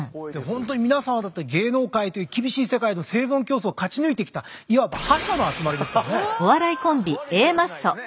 ほんとに皆さんはだって芸能界という厳しい世界の生存競争を勝ち抜いてきたいわば悪い気はしないですね。